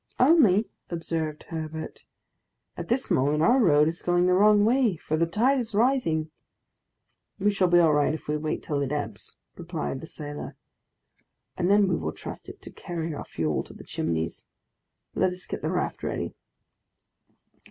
"Only," observed Herbert, "at this moment our road is going the wrong way, for the tide is rising!" "We shall be all right if we wait till it ebbs," replied the sailor, "and then we will trust it to carry our fuel to the Chimneys. Let us get the raft ready."